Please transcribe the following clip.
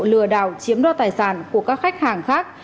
lừa đảo chiếm đo tài sản của các khách hàng khác